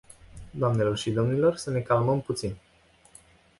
Doamnelor și domnilor, să ne calmăm puțin.